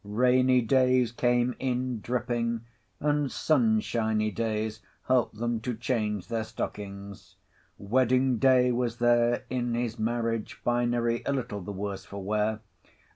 Rainy Days came in, dripping; and sun shiny Days helped them to change their stockings. Wedding Day was there in his marriage finery, a little the worse for wear.